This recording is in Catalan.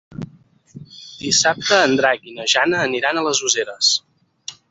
Dissabte en Drac i na Jana aniran a les Useres.